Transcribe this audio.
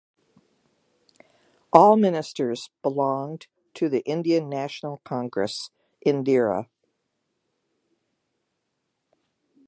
All ministers belonged to the Indian National Congress (Indira).